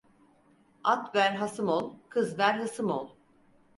At ver hasım ol, kız ver hısım ol.